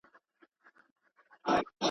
نه مي د دار له سره واورېدې د حق سندري.